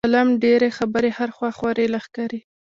د عالم ډېرې خبرې هره خوا خورې لښکرې.